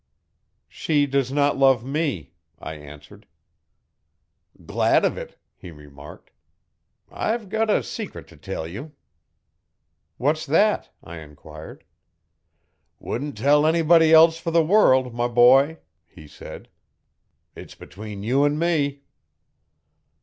'She does not love me,' I answered. 'Glad of it,' he remarked. 'I've got a secret t, tell you.' 'What's that?' I enquired. 'Wouldn't tell anybody else for the world, my boy,' he said, 'it's between you an' me.'